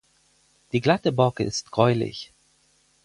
Die glatte Borke ist gräulich.